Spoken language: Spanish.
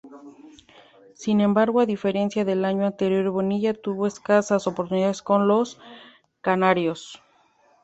Sin embargo a diferencia del año anterior Bonilla tuvo escasas oportunidades con "los canarios".